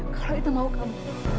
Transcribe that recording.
kalau itu mau kamu